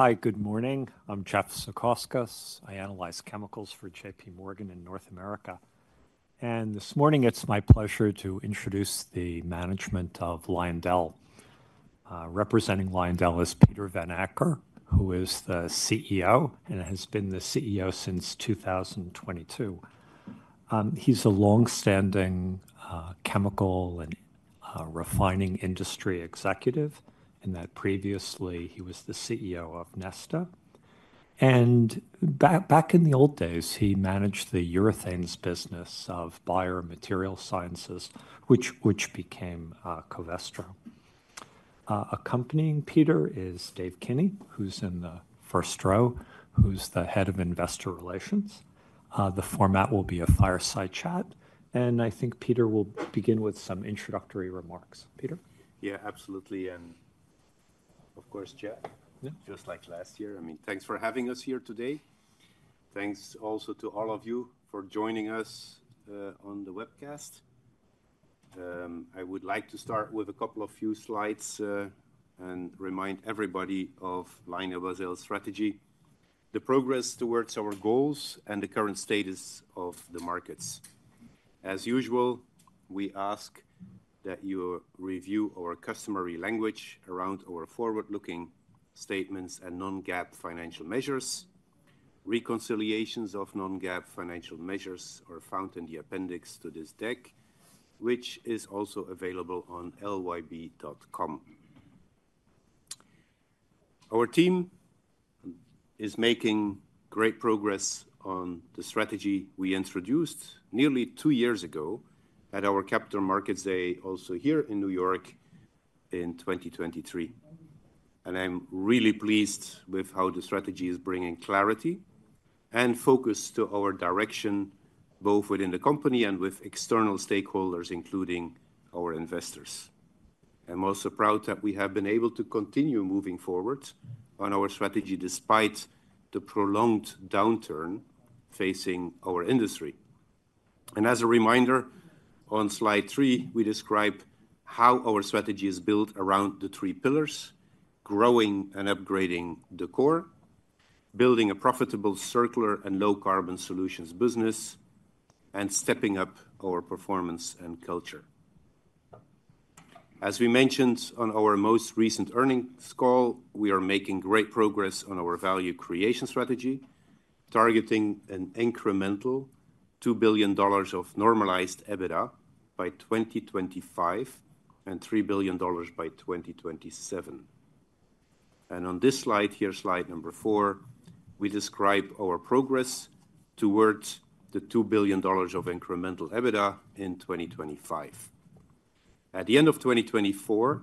Hi, good morning. I'm Jeff Zekauskas. I analyze chemicals for JPMorgan in North America. This morning, it's my pleasure to introduce the management of LyondellBasell. Representing LyondellBasell is Peter Vanacker, who is the CEO and has been the CEO since 2022. He's a longstanding chemical and refining industry executive, and previously he was the CEO of Neste. Back in the old days, he managed the urethane business of Bayer MaterialScience, which became Covestro. Accompanying Peter is Dave Kinney, who's in the first row, who's the head of investor relations. The format will be a fireside chat, and I think Peter will begin with some introductory remarks. Peter? Yeah, absolutely. I mean, Jeff, just like last year, thanks for having us here today. Thanks also to all of you for joining us on the webcast. I would like to start with a couple of slides and remind everybody of LyondellBasell's strategy, the progress towards our goals, and the current status of the markets. As usual, we ask that you review our customary language around our forward-looking statements and non-GAAP financial measures. Reconciliations of non-GAAP financial measures are found in the appendix to this deck, which is also available on lyb.com. Our team is making great progress on the strategy we introduced nearly two years ago at our Capital Markets Day also here in New York in 2023. I'm really pleased with how the strategy is bringing clarity and focus to our direction, both within the company and with external stakeholders, including our investors. I'm also proud that we have been able to continue moving forward on our strategy despite the prolonged downturn facing our industry. As a reminder, on slide three, we describe how our strategy is built around the three pillars: growing and upgrading the core, building a profitable circular and low-carbon solutions business, and stepping up our performance and culture. As we mentioned on our most recent earnings call, we are making great progress on our value creation strategy, targeting an incremental $2 billion of normalized EBITDA by 2025 and $3 billion by 2027. On this slide here, slide number four, we describe our progress towards the $2 billion of incremental EBITDA in 2025. At the end of 2024,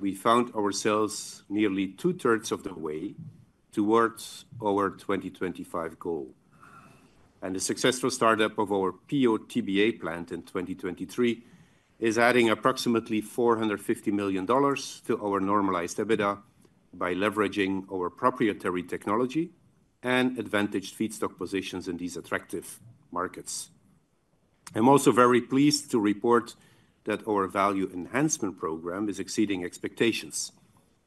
we found ourselves nearly two-thirds of the way towards our 2025 goal. The successful startup of our PO/TBA plant in 2023 is adding approximately $450 million to our normalized EBITDA by leveraging our proprietary technology and advantaged feedstock positions in these attractive markets. I'm also very pleased to report that our Value Enhancement Program is exceeding expectations.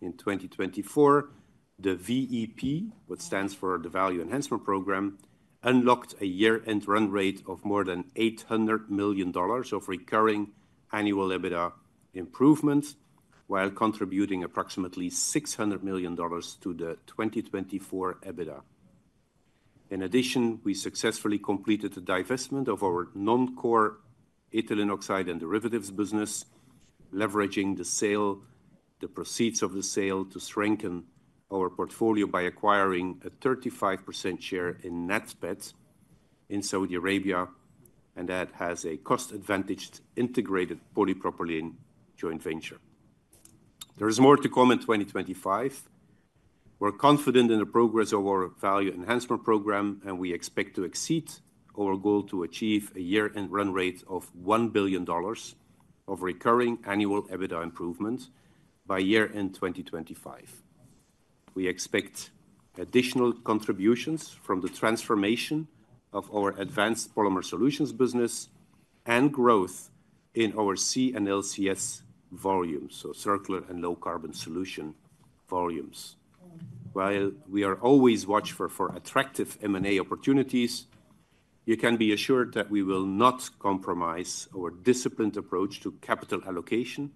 In 2024, the VEP, which stands for the Value Enhancement Program, unlocked a year-end run-rate of more than $800 million of recurring annual EBITDA improvements, while contributing approximately $600 million to the 2024 EBITDA. In addition, we successfully completed the divestment of our non-core ethylene oxide and derivatives business, leveraging the proceeds of the sale to strengthen our portfolio by acquiring a 35% share in NATPET in Saudi Arabia, and that has a cost-advantaged integrated polypropylene joint venture. There is more to come in 2025. We're confident in the progress of our value enhancement program, and we expect to exceed our goal to achieve a year-end run-rate of $1 billion of recurring annual EBITDA improvements by year-end 2025. We expect additional contributions from the transformation of our advanced polymer solutions business and growth in our C&LCS volumes, so circular and low-carbon solution volumes. While we are always watchful for attractive M&A opportunities, you can be assured that we will not compromise our disciplined approach to capital allocation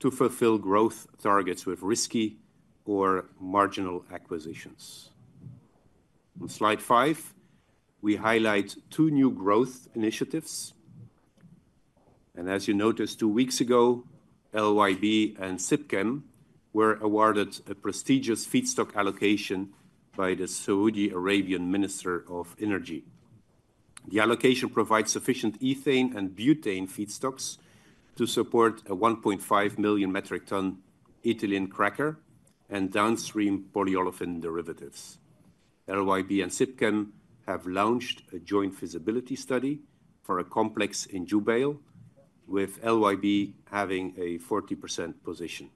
to fulfill growth targets with risky or marginal acquisitions. On slide five, we highlight two new growth initiatives. As you noticed, two weeks ago, LYB and Sipchem were awarded a prestigious feedstock allocation by the Saudi Arabian Minister of Energy. The allocation provides sufficient ethane and butane feedstocks to support a 1.5 million metric ton ethylene cracker and downstream polyolefin derivatives. LyondellBasell and Sipchem have launched a joint feasibility study for a complex in Jubail, with LyondellBasell having a 40% position.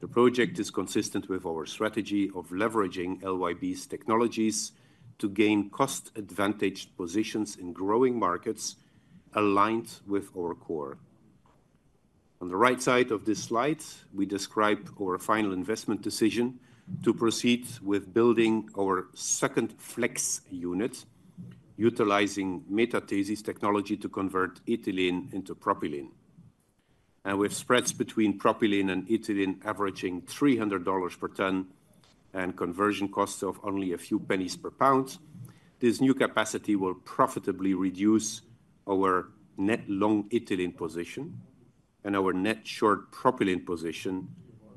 The project is consistent with our strategy of leveraging LyondellBasell's technologies to gain cost-advantaged positions in growing markets aligned with our core. On the right side of this slide, we describe our final investment decision to proceed with building our second flex unit, utilizing metathesis technology to convert ethylene into propylene. With spreads between propylene and ethylene averaging $300 per ton and conversion costs of only a few pennies per pound, this new capacity will profitably reduce our net long ethylene position and our net short propylene position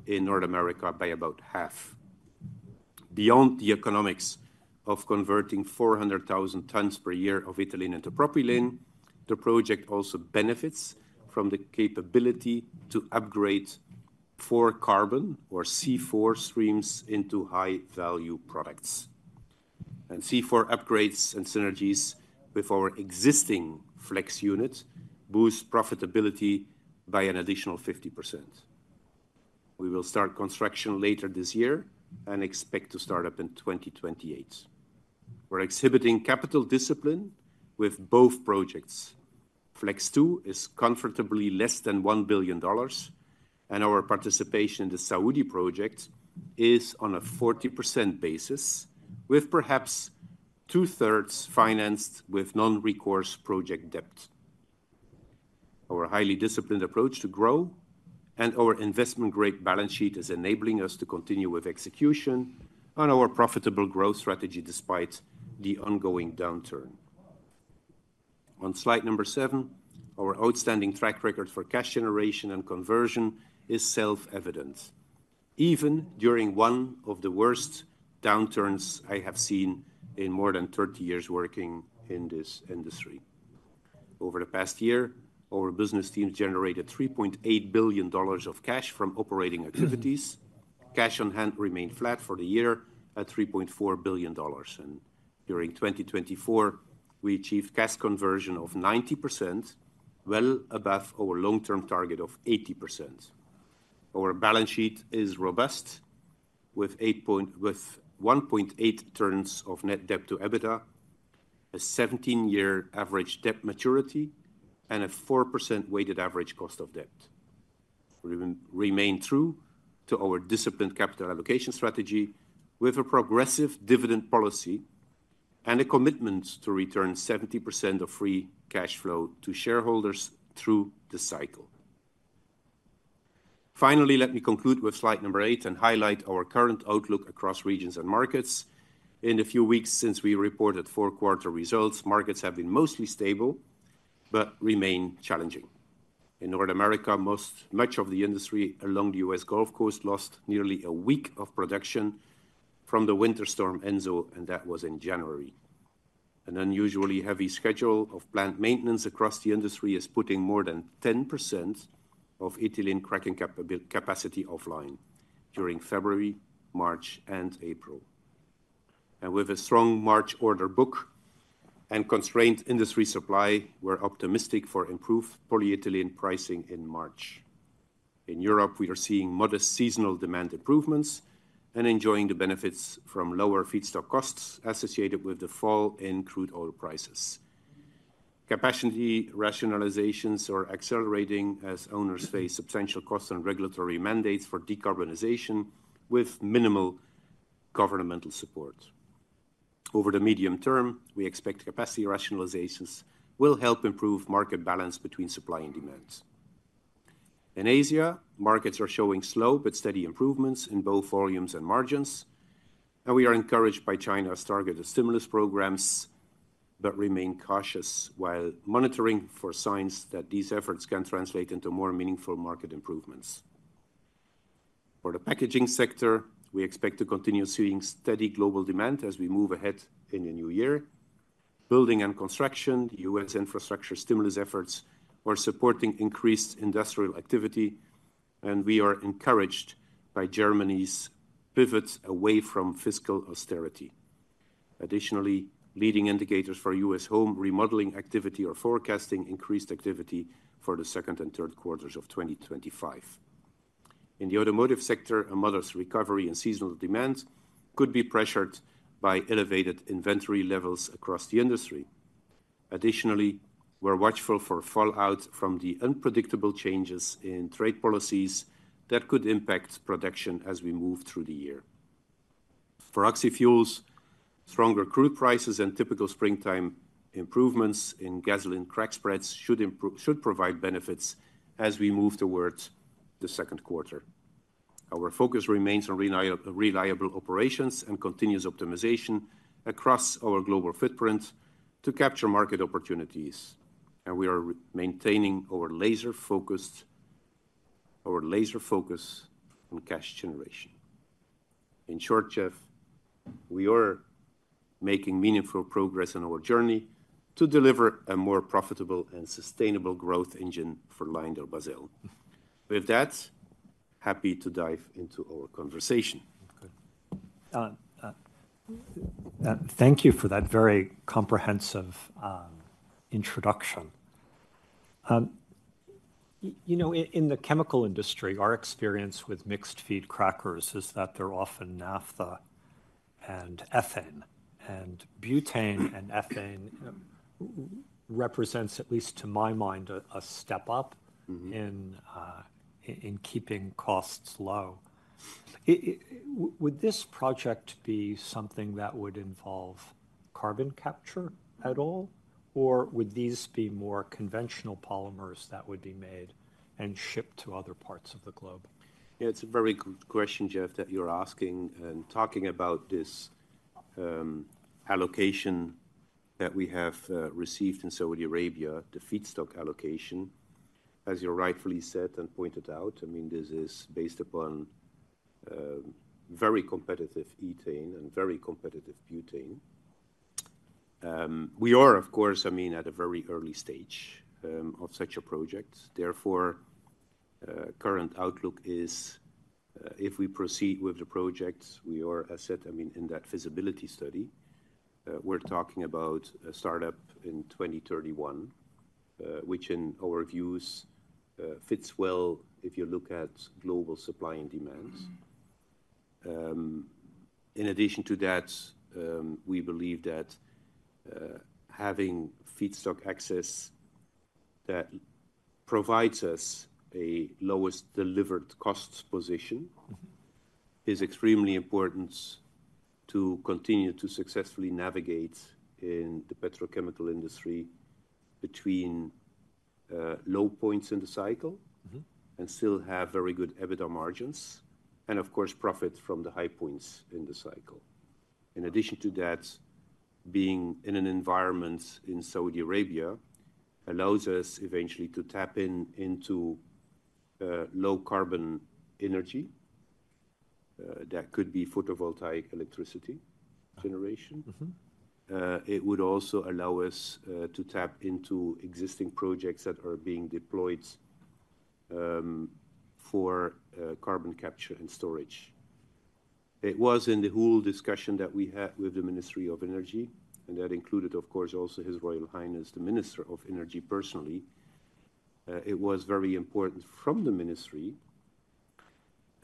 in North America by about half. Beyond the economics of converting 400,000 tons per year of ethylene into propylene, the project also benefits from the capability to upgrade four carbon or C4 streams into high-value products. C4 upgrades and synergies with our existing flex unit boost profitability by an additional 50%. We will start construction later this year and expect to start up in 2028. We are exhibiting capital discipline with both projects. Flex 2 is comfortably less than $1 billion, and our participation in the Saudi project is on a 40% basis, with perhaps two-thirds financed with non-recourse project debt. Our highly disciplined approach to grow and our investment grade balance sheet is enabling us to continue with execution on our profitable growth strategy despite the ongoing downturn. On slide number seven, our outstanding track record for cash generation and conversion is self-evident, even during one of the worst downturns I have seen in more than 30 years working in this industry. Over the past year, our business team generated $3.8 billion of cash from operating activities. Cash on hand remained flat for the year at $3.4 billion. During 2024, we achieved cash conversion of 90%, well above our long-term target of 80%. Our balance sheet is robust, with 1.8 turns of net debt-to-EBITDA, a 17-year average debt maturity, and a 4% weighted average cost of debt. We remain true to our disciplined capital allocation strategy with a progressive dividend policy and a commitment to return 70% of free cash flow to shareholders through the cycle. Finally, let me conclude with slide number eight and highlight our current outlook across regions and markets. In the few weeks since we reported fourth quarter results, markets have been mostly stable but remain challenging. In North America, much of the industry along the U.S. Gulf Coast lost nearly a week of production from the winter storm Enzo, and that was in January. An unusually heavy schedule of plant maintenance across the industry is putting more than 10% of ethylene cracking capacity offline during February, March, and April. With a strong March order book and constrained industry supply, we're optimistic for improved polyethylene pricing in March. In Europe, we are seeing modest seasonal demand improvements and enjoying the benefits from lower feedstock costs associated with the fall in crude oil prices. Capacity rationalizations are accelerating as owners face substantial costs and regulatory mandates for decarbonization with minimal governmental support. Over the medium term, we expect capacity rationalizations will help improve market balance between supply and demand. In Asia, markets are showing slow but steady improvements in both volumes and margins, and we are encouraged by China's targeted stimulus programs but remain cautious while monitoring for signs that these efforts can translate into more meaningful market improvements. For the packaging sector, we expect to continue seeing steady global demand as we move ahead in the new year. Building and construction, U.S. infrastructure stimulus efforts are supporting increased industrial activity, and we are encouraged by Germany's pivot away from fiscal austerity. Additionally, leading indicators for U.S. home remodeling activity are forecasting increased activity for the second and third quarters of 2025. In the automotive sector, a modest recovery in seasonal demand could be pressured by elevated inventory levels across the industry. Additionally, we're watchful for fallout from the unpredictable changes in trade policies that could impact production as we move through the year. For oxy-fuels, stronger crude prices and typical springtime improvements in gasoline crack spreads should provide benefits as we move towards the second quarter. Our focus remains on reliable operations and continuous optimization across our global footprint to capture market opportunities, and we are maintaining our laser focus on cash generation. In short, Jeff, we are making meaningful progress on our journey to deliver a more profitable and sustainable growth engine for LyondellBasell. With that, happy to dive into our conversation. Thank you for that very comprehensive introduction. In the chemical industry, our experience with mixed-feed crackers is that they're often naphtha and ethane, and butane and ethane represents, at least to my mind, a step up in keeping costs low. Would this project be something that would involve carbon capture at all, or would these be more conventional polymers that would be made and shipped to other parts of the globe? Yeah, it's a very good question, Jeff, that you're asking and talking about this allocation that we have received in Saudi Arabia, the feedstock allocation, as you rightfully said and pointed out. I mean, this is based upon very competitive ethane and very competitive butane. We are, of course, I mean, at a very early stage of such a project. Therefore, current outlook is, if we proceed with the project, we are, as said, I mean, in that feasibility study. We're talking about a startup in 2031, which in our views fits well if you look at global supply and demand. In addition to that, we believe that having feedstock access that provides us a lowest delivered cost position is extremely important to continue to successfully navigate in the petrochemical industry between low points in the cycle and still have very good EBITDA margins and, of course, profit from the high points in the cycle. In addition to that, being in an environment in Saudi Arabia allows us eventually to tap into low carbon energy that could be photovoltaic electricity generation. It would also allow us to tap into existing projects that are being deployed for carbon capture and storage. It was in the whole discussion that we had with the Ministry of Energy, and that included, of course, also His Royal Highness, the Minister of Energy personally. It was very important from the Ministry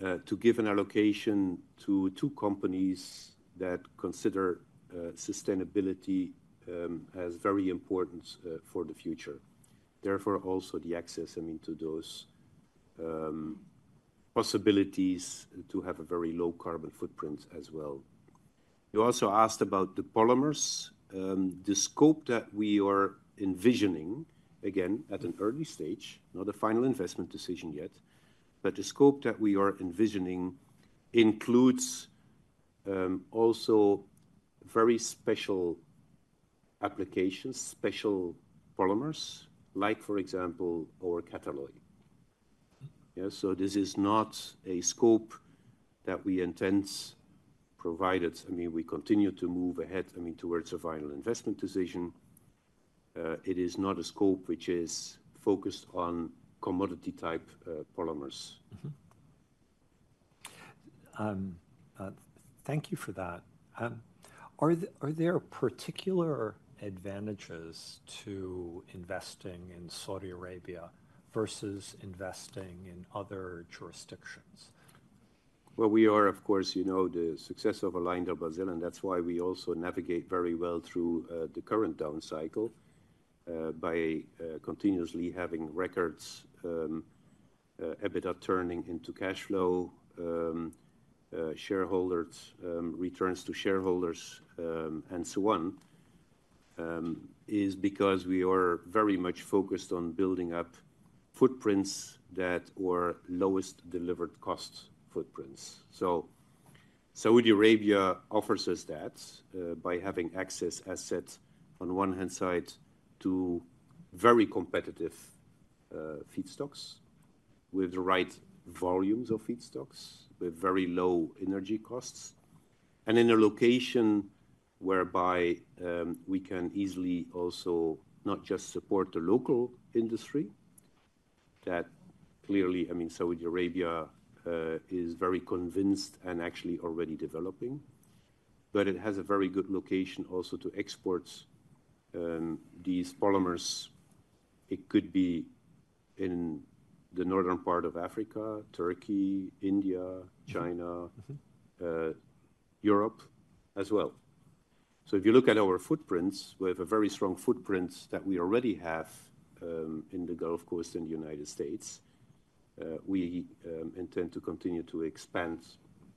to give an allocation to two companies that consider sustainability as very important for the future. Therefore, also the access, I mean, to those possibilities to have a very low carbon footprint as well. You also asked about the polymers. The scope that we are envisioning, again, at an early stage, not a final investment decision yet, but the scope that we are envisioning includes also very special applications, special polymers, like, for example, our Catalloy. So this is not a scope that we intend provided. I mean, we continue to move ahead, I mean, towards a final investment decision. It is not a scope which is focused on commodity-type polymers. Thank you for that. Are there particular advantages to investing in Saudi Arabia versus investing in other jurisdictions? We are, of course, you know, the success of LyondellBasell, and that's why we also navigate very well through the current down cycle by continuously having records, EBITDA turning into cash flow, shareholders' returns to shareholders, and so on, is because we are very much focused on building up footprints that are lowest delivered cost footprints. Saudi Arabia offers us that by having access, as said, on one hand side, to very competitive feedstocks with the right volumes of feedstocks, with very low energy costs, and in a location whereby we can easily also not just support the local industry that clearly, I mean, Saudi Arabia is very convinced and actually already developing, but it has a very good location also to export these polymers. It could be in the northern part of Africa, Turkey, India, China, Europe as well. If you look at our footprints, we have a very strong footprint that we already have in the Gulf Coast and the United States. We intend to continue to expand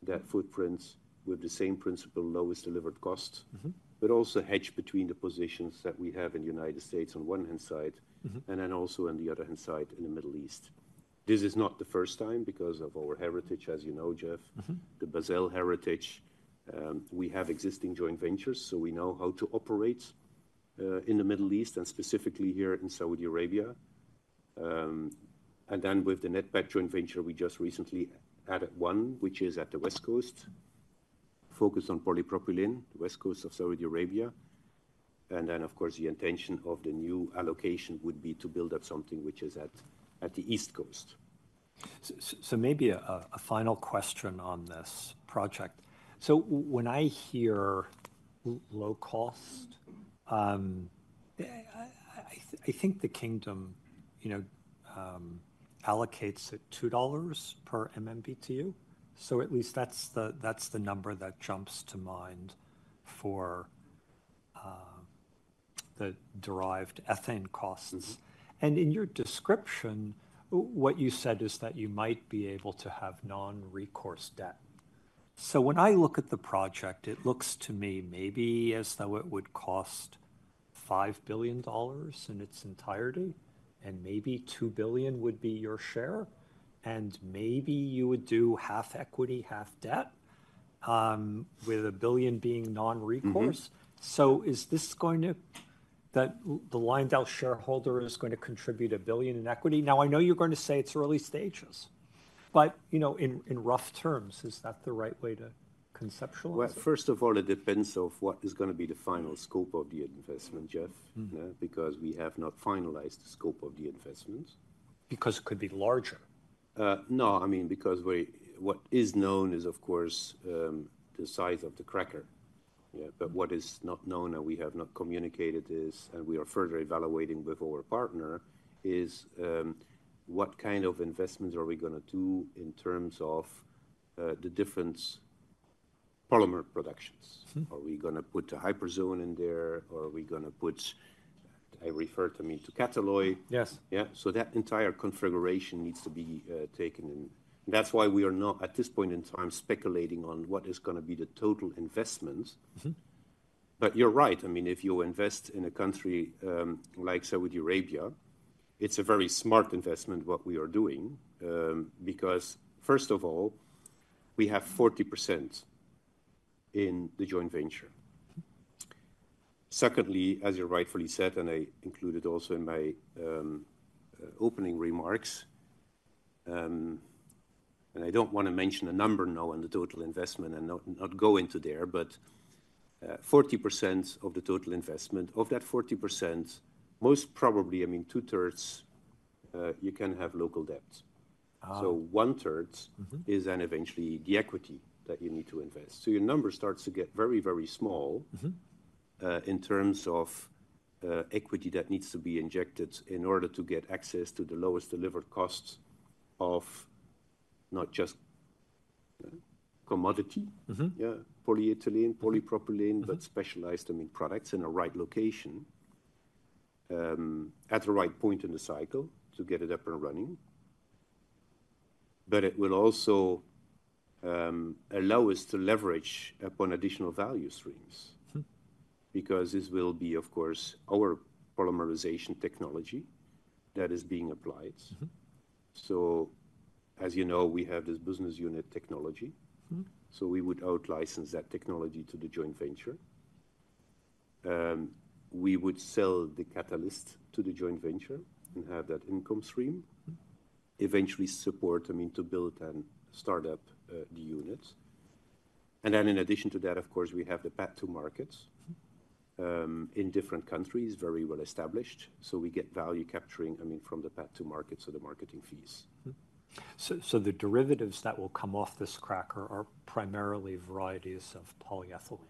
that footprint with the same principle, lowest delivered cost, but also hedge between the positions that we have in the United States on one hand side, and then also on the other hand side in the Middle East. This is not the first time because of our heritage, as you know, Jeff, the Basell heritage. We have existing joint ventures, so we know how to operate in the Middle East and specifically here in Saudi Arabia. And then with the Natpet joint venture, we just recently had one, which is at the West Coast, focused on polypropylene, the West Coast of Saudi Arabia. Of course, the intention of the new allocation would be to build up something which is at the East Coast. Maybe a final question on this project. When I hear low cost, I think the kingdom allocates at $2 per MMBtu. At least that's the number that jumps to mind for the derived ethane costs. In your description, what you said is that you might be able to have non-recourse debt. When I look at the project, it looks to me maybe as though it would cost $5 billion in its entirety, and maybe $2 billion would be your share, and maybe you would do half equity, half debt, with a billion being non-recourse. Is this going to mean that the LyondellBasell shareholder is going to contribute a billion in equity? I know you're going to say it's early stages, but in rough terms, is that the right way to conceptualize it? First of all, it depends on what is going to be the final scope of the investment, Jeff, because we have not finalized the scope of the investment. Because it could be larger. No, I mean, because what is known is, of course, the size of the cracker. What is not known, and we have not communicated this, and we are further evaluating with our partner, is what kind of investments are we going to do in terms of the different polymer productions. Are we going to put the Hyperzone in there? Are we going to put, I refer to, I mean, to Catalloy? Yes. Yeah. That entire configuration needs to be taken in. That is why we are not, at this point in time, speculating on what is going to be the total investment. You are right. I mean, if you invest in a country like Saudi Arabia, it is a very smart investment, what we are doing because, first of all, we have 40% in the joint venture. Secondly, as you rightfully said, and I included also in my opening remarks, I do not want to mention a number now on the total investment and not go into there, but 40% of the total investment, of that 40%, most probably, I mean, two-thirds, you can have local debt. One-third is then eventually the equity that you need to invest. Your number starts to get very, very small in terms of equity that needs to be injected in order to get access to the lowest delivered cost of not just commodity, yeah, polyethylene, polypropylene, but specialized, I mean, products in the right location at the right point in the cycle to get it up and running. It will also allow us to leverage upon additional value streams because this will be, of course, our polymerization technology that is being applied. As you know, we have this business unit technology. We would out-license that technology to the joint venture. We would sell the catalyst to the joint venture and have that income stream eventually support, I mean, to build and start up the unit. In addition to that, of course, we have the Path-To-Markets in different countries, very well established. We get value capturing, I mean, from the Path-To- markets or the marketing fees. The derivatives that will come off this cracker are primarily varieties of polyethylene?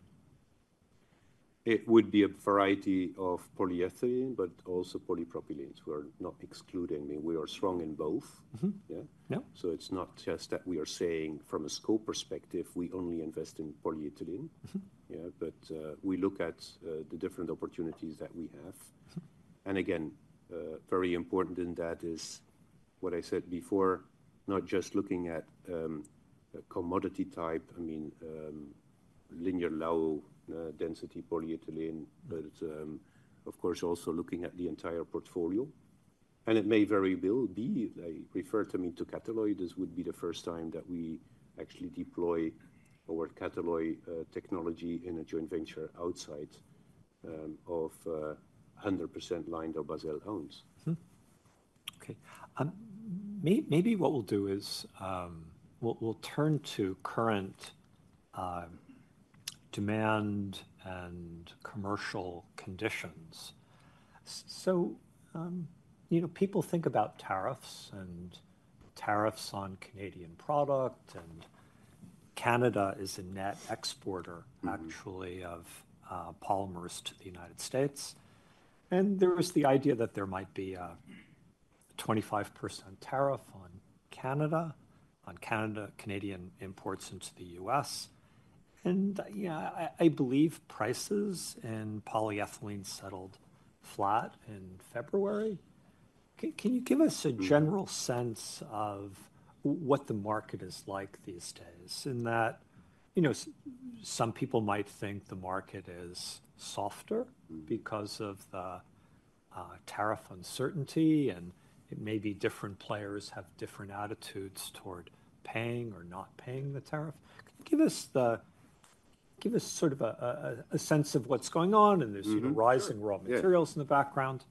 It would be a variety of polyethylene, but also polypropylenes. We're not excluding. I mean, we are strong in both. Yeah. It is not just that we are saying from a scope perspective, we only invest in polyethylene. Yeah, we look at the different opportunities that we have. Again, very important in that is what I said before, not just looking at commodity type, I mean, linear low density polyethylene, but of course, also looking at the entire portfolio. It may very well be. I referred, I mean, to Catalloy. This would be the first time that we actually deploy our Catalloy technology in a joint venture outside of 100% LyondellBasell owns. Okay. Maybe what we'll do is we'll turn to current demand and commercial conditions. People think about tariffs and tariffs on Canadian product, and Canada is a net exporter, actually, of polymers to the United States. There was the idea that there might be a 25% tariff on Canada, on Canadian imports into the US. I believe prices and polyethylene settled flat in February. Can you give us a general sense of what the market is like these days in that some people might think the market is softer because of the tariff uncertainty, and maybe different players have different attitudes toward paying or not paying the tariff? Give us sort of a sense of what's going on, and there's rising raw materials in the background.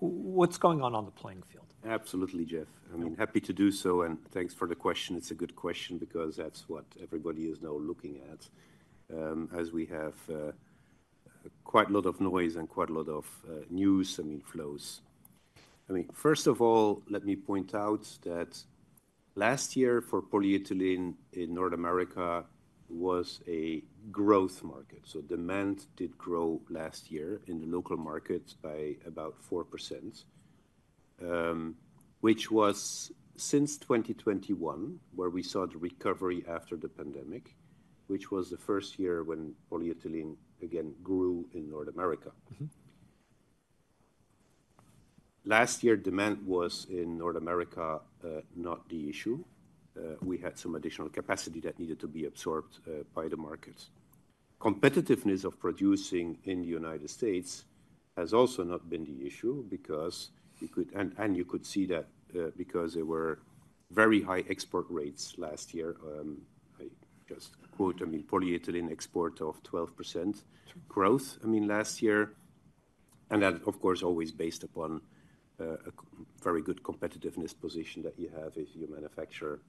What's going on on the playing field? Absolutely, Jeff. I mean, happy to do so. Thanks for the question. It's a good question because that's what everybody is now looking at as we have quite a lot of noise and quite a lot of news, I mean, flows. First of all, let me point out that last year for polyethylene in North America was a growth market. Demand did grow last year in the local markets by about 4%, which was since 2021, where we saw the recovery after the pandemic, which was the first year when polyethylene again grew in North America. Last year, demand was in North America not the issue. We had some additional capacity that needed to be absorbed by the markets. Competitiveness of producing in the United States has also not been the issue because you could, and you could see that because there were very high export rates last year. I just quote, I mean, polyethylene export of 12% growth, I mean, last year. That, of course, always based upon a very good competitiveness position that you have if you manufacture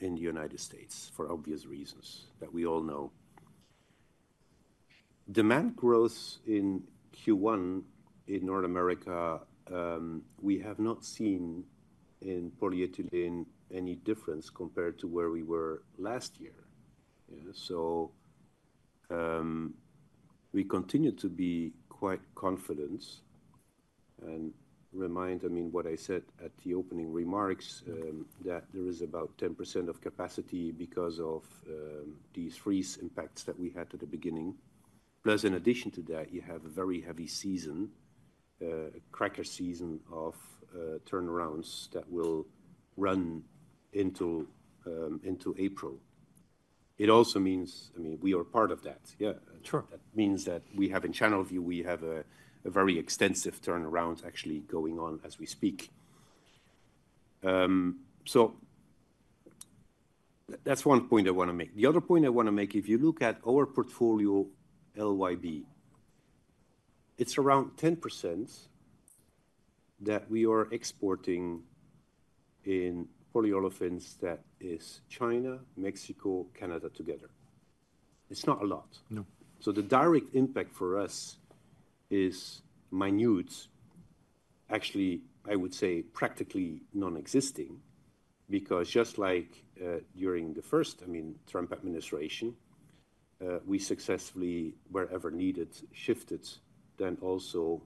in the United States for obvious reasons that we all know. Demand growth in Q1 in North America, we have not seen in polyethylene any difference compared to where we were last year. We continue to be quite confident. Remind, I mean, what I said at the opening remarks that there is about 10% of capacity because of these freeze impacts that we had at the beginning. Plus, in addition to that, you have a very heavy season, a cracker season of turnarounds that will run into April. It also means, I mean, we are part of that. Yeah. That means that we have in Channelview, we have a very extensive turnaround actually going on as we speak. That is one point I want to make. The other point I want to make, if you look at our portfolio, LYB, it is around 10% that we are exporting in polyolefins that is China, Mexico, Canada together. It is not a lot. The direct impact for us is minute, actually, I would say practically non-existing because just like during the first, I mean, Trump administration, we successfully, wherever needed, shifted then also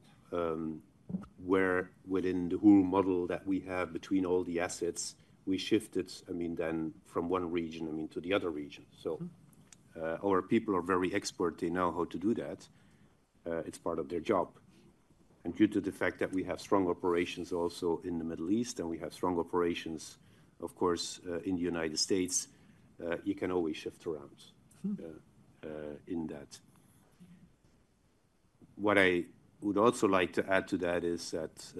within the whole model that we have between all the assets, we shifted, I mean, then from one region, I mean, to the other region. Our people are very expert. They know how to do that. It's part of their job. Due to the fact that we have strong operations also in the Middle East and we have strong operations, of course, in the United States, you can always shift around in that. What I would also like to add to that is that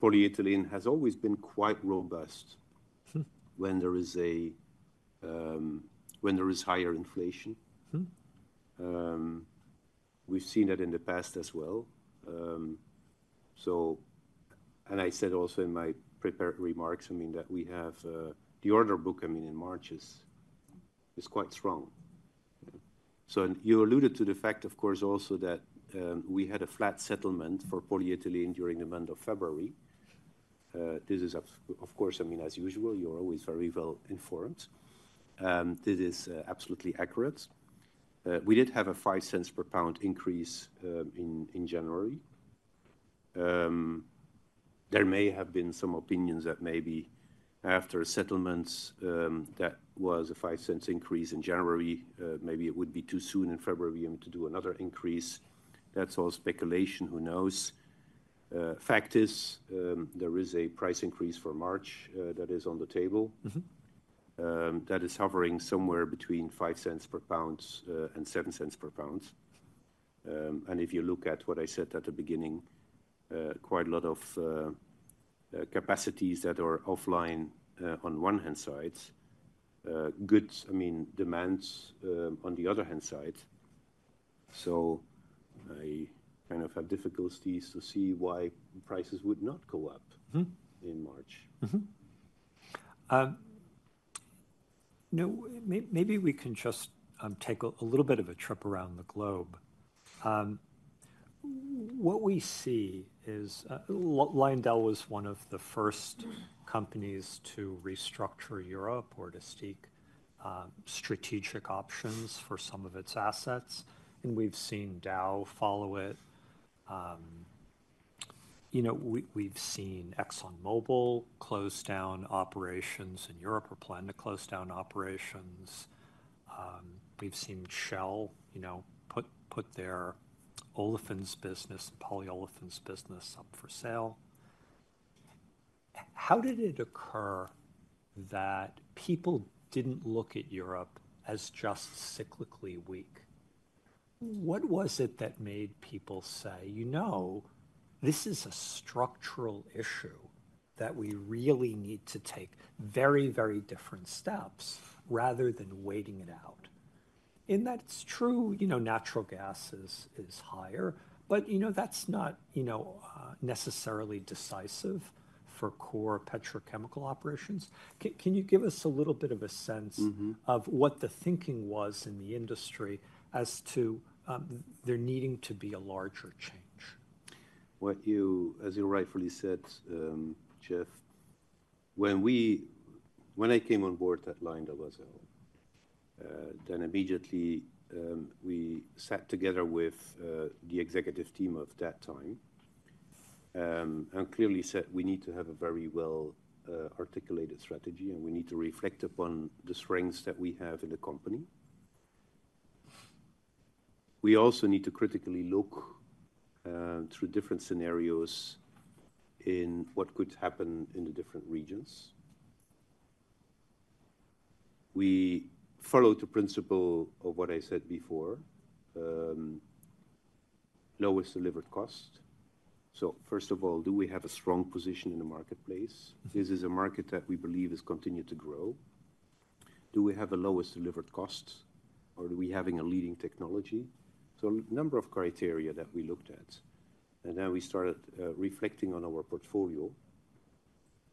polyethylene has always been quite robust when there is higher inflation. We've seen it in the past as well. I said also in my prepared remarks, I mean, that we have the order book, I mean, in March is quite strong. You alluded to the fact, of course, also that we had a flat settlement for polyethylene during the month of February. This is, of course, I mean, as usual, you're always very well informed. This is absolutely accurate. We did have a $0.05 per pound increase in January. There may have been some opinions that maybe after settlements that was a $0.05 increase in January, maybe it would be too soon in February to do another increase. That is all speculation. Who knows? Fact is there is a price increase for March that is on the table that is hovering somewhere between $0.05 per pound and $0.07 per pound. If you look at what I said at the beginning, quite a lot of capacities that are offline on one hand side, good, I mean, demands on the other hand side. I kind of have difficulties to see why prices would not go up in March. Maybe we can just take a little bit of a trip around the globe. What we see is LyondellBasell was one of the first companies to restructure Europe or to seek strategic options for some of its assets. We have seen Dow follow it. We have seen ExxonMobil close down operations in Europe or plan to close down operations. We have seen Shell put their olefins business and polyolefins business up for sale. How did it occur that people did not look at Europe as just cyclically weak? What was it that made people say, you know, this is a structural issue that we really need to take very, very different steps rather than waiting it out? In that it is true, natural gas is higher, but that is not necessarily decisive for core petrochemical operations. Can you give us a little bit of a sense of what the thinking was in the industry as to there needing to be a larger change? As you rightfully said, Jeff, when I came on board at LyondellBasell, then immediately we sat together with the executive team of that time and clearly said we need to have a very well-articulated strategy and we need to reflect upon the strengths that we have in the company. We also need to critically look through different scenarios in what could happen in the different regions. We followed the principle of what I said before, lowest delivered cost. First of all, do we have a strong position in the marketplace? This is a market that we believe is continuing to grow. Do we have a lowest delivered cost or are we having a leading technology? A number of criteria that we looked at. We started reflecting on our portfolio.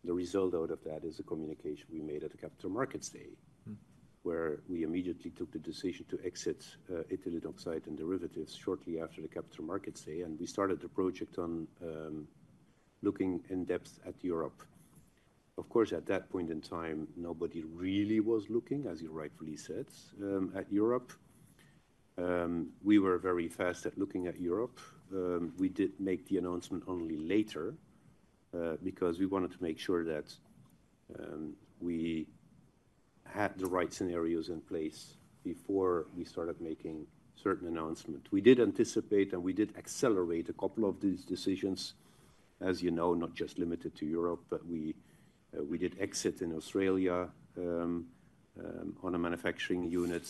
The result out of that is a communication we made at the Capital Markets Day where we immediately took the decision to exit ethylene oxide and derivatives shortly after the Capital Markets Day. We started the project on looking in depth at Europe. Of course, at that point in time, nobody really was looking, as you rightfully said, at Europe. We were very fast at looking at Europe. We did make the announcement only later because we wanted to make sure that we had the right scenarios in place before we started making certain announcements. We did anticipate and we did accelerate a couple of these decisions, as you know, not just limited to Europe, but we did exit in Australia on a manufacturing unit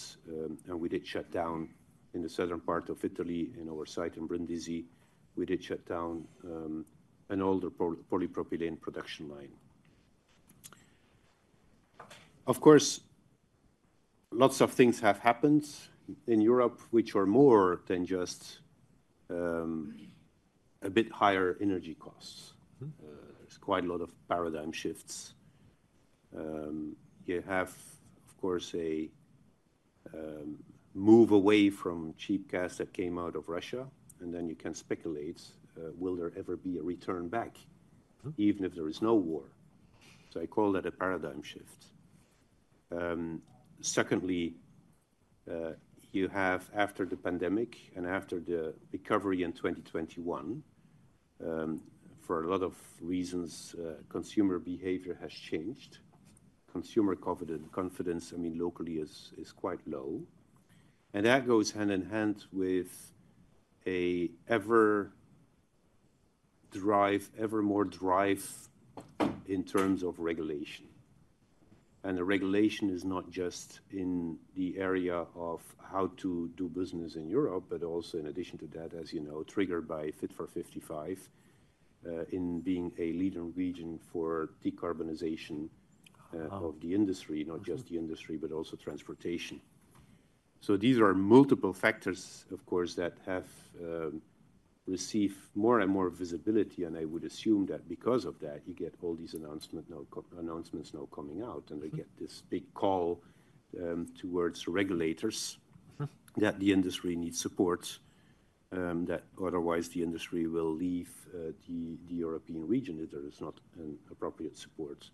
and we did shut down in the southern part of Italy in our site in Brindisi. We did shut down an older polypropylene production line. Of course, lots of things have happened in Europe, which are more than just a bit higher energy costs. There is quite a lot of paradigm shifts. You have, of course, a move away from cheap gas that came out of Russia. You can speculate, will there ever be a return back even if there is no war? I call that a paradigm shift. Secondly, you have after the pandemic and after the recovery in 2021, for a lot of reasons, consumer behavior has changed. Consumer confidence, I mean, locally is quite low. That goes hand in hand with an ever more drive in terms of regulation. The regulation is not just in the area of how to do business in Europe, but also in addition to that, as you know, triggered by Fit for 55 in being a leading region for decarbonization of the industry, not just the industry, but also transportation. These are multiple factors, of course, that have received more and more visibility. I would assume that because of that, you get all these announcements now coming out and they get this big call towards regulators that the industry needs support, that otherwise the industry will leave the European region if there is not appropriate support.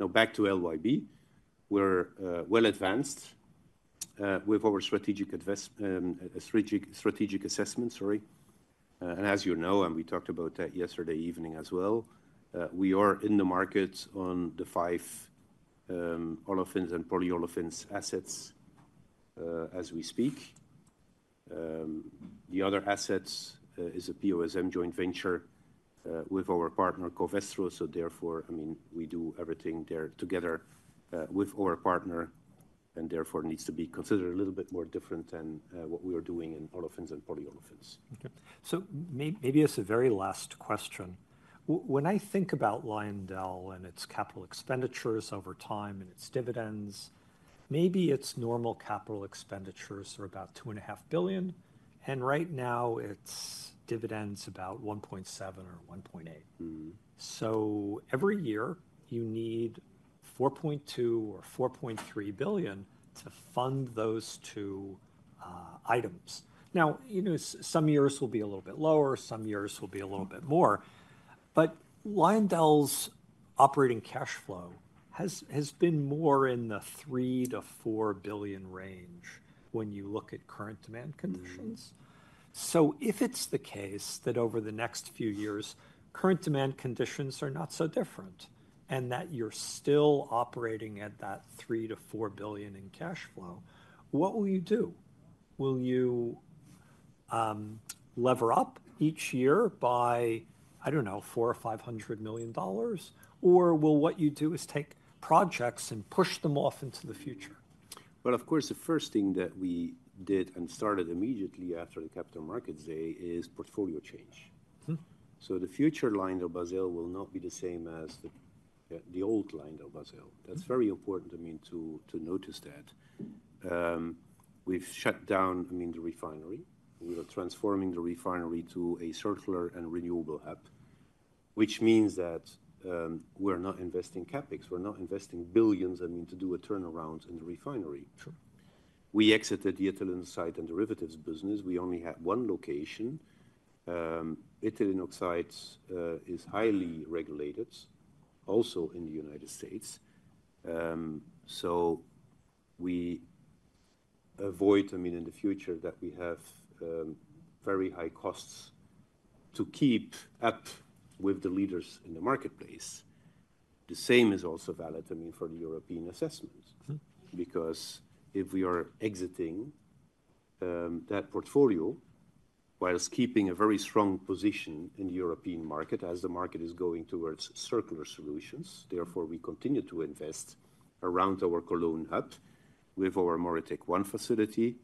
Now, back to LYB, we're well advanced with our strategic assessment, sorry. As you know, and we talked about that yesterday evening as well, we are in the market on the five olefins and polyolefins assets as we speak. The other asset is a POSM joint venture with our partner Covestro. I mean, we do everything there together with our partner and therefore needs to be considered a little bit more different than what we are doing in olefins and polyolefins. Maybe it's a very last question. When I think about LyondellBasell and its capital expenditures over time and its dividends, maybe its normal capital expenditures are about $2.5 billion. Right now its dividend is about $1.7 billion or $1.8 billion. Every year you need $4.2 billion or $4.3 billion to fund those two items. Some years will be a little bit lower, some years will be a little bit more. LyondellBasell's operating cash flow has been more in the $3 billion-$4 billion range when you look at current demand conditions. If it's the case that over the next few years, current demand conditions are not so different and that you're still operating at that $3 billion-$4 billion in cash flow, what will you do? Will you lever up each year by, I don't know, $400 million or $500 million? Will what you do is take projects and push them off into the future? Of course, the first thing that we did and started immediately after the Capital Markets Day is portfolio change. The future LyondellBasell will not be the same as the old LyondellBasell. That's very important, I mean, to notice that. We've shut down, I mean, the refinery. We are transforming the refinery to a circular and renewable hub, which means that we're not investing CapEx. We're not investing billions, I mean, to do a turnaround in the refinery. We exited the ethylene oxide and derivatives business. We only have one location. Ethylene oxide is highly regulated also in the United States. We avoid, I mean, in the future that we have very high costs to keep up with the leaders in the marketplace. The same is also valid, I mean, for the European assessment because if we are exiting that portfolio while keeping a very strong position in the European market as the market is going towards circular solutions, therefore we continue to invest around our Cologne hub with our MoReTec-1 facility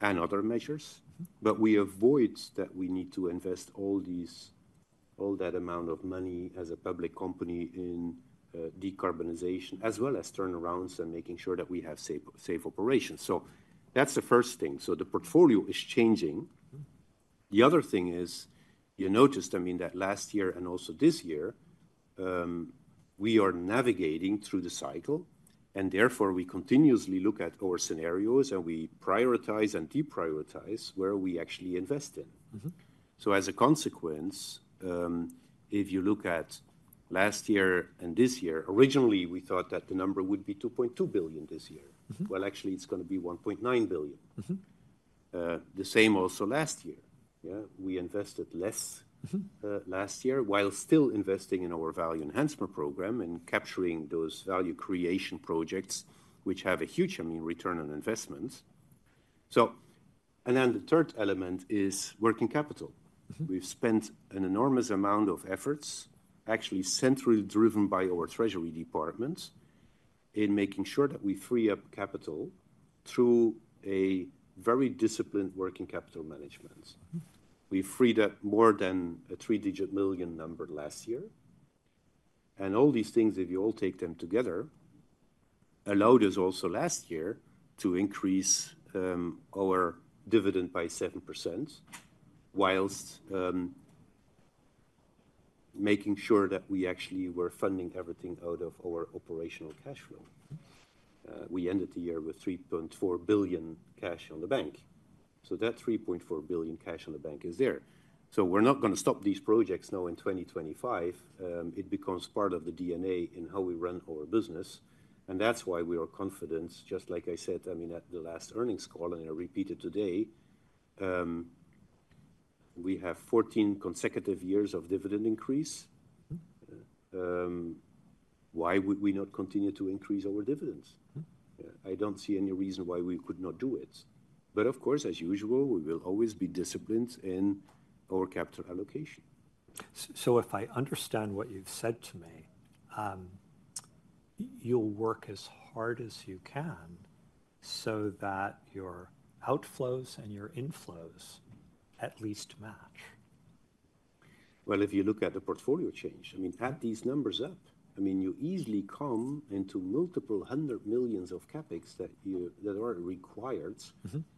and other measures. We avoid that we need to invest all that amount of money as a public company in decarbonization as well as turnarounds and making sure that we have safe operations. That is the first thing. The portfolio is changing. The other thing is you noticed, I mean, that last year and also this year, we are navigating through the cycle and therefore we continuously look at our scenarios and we prioritize and deprioritize where we actually invest in. As a consequence, if you look at last year and this year, originally we thought that the number would be $2.2 billion this year. Actually, it's going to be $1.9 billion. The same also last year. We invested less last year while still investing in our value enhancement program and capturing those value creation projects which have a huge, I mean, return on investment. The third element is working capital. We've spent an enormous amount of efforts, actually centrally driven by our treasury department, in making sure that we free up capital through a very disciplined working capital management. We freed up more than a three-digit million number last year. All these things, if you all take them together, allowed us also last year to increase our dividend by 7% whilst making sure that we actually were funding everything out of our operational cash flow. We ended the year with $3.4 billion cash on the bank. That $3.4 billion cash on the bank is there. We are not going to stop these projects now in 2025. It becomes part of the DNA in how we run our business. That is why we are confident, just like I said, I mean, at the last earnings call and I repeated today, we have 14 consecutive years of dividend increase. Why would we not continue to increase our dividends? I do not see any reason why we could not do it. Of course, as usual, we will always be disciplined in our capital allocation. If I understand what you've said to me, you'll work as hard as you can so that your outflows and your inflows at least match. If you look at the portfolio change, I mean, add these numbers up. I mean, you easily come into multiple hundred millions of CapEx that are required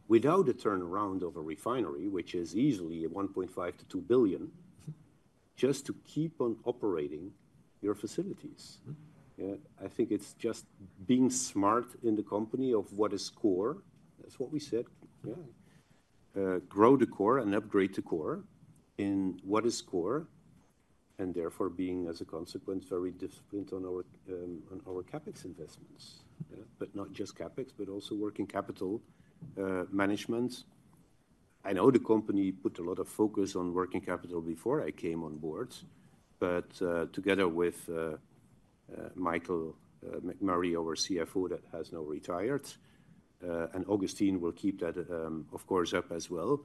without a turnaround of a refinery, which is easily $1.5 billion-$2 billion, just to keep on operating your facilities. I think it's just being smart in the company of what is core. That's what we said. Grow the core and upgrade the core in what is core and therefore being, as a consequence, very disciplined on our CapEx investments. Not just CapEx, but also working capital management. I know the company put a lot of focus on working capital before I came on board, but together with Michael McMurray, our CFO that has now retired, and Agustin will keep that, of course, up as well.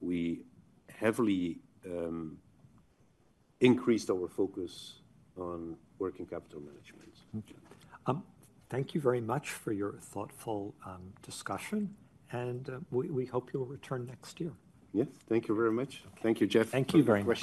We heavily increased our focus on working capital management. Thank you very much for your thoughtful discussion and we hope you'll return next year. Yeah, thank you very much. Thank you, Jeff. Thank you very much.